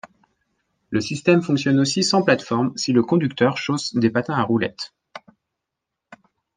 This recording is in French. Le système fonctionne aussi sans plate-forme si le conducteur chausse des patins à roulettes.